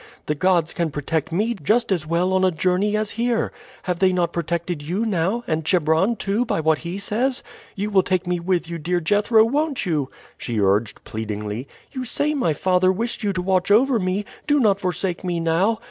The gods can protect me just as well on a journey as here. Have they not protected you now, and Chebron too, by what he says? You will take me with you, dear Jethro, won't you?" she urged pleadingly. "You say my father wished you to watch over me; do not forsake me now.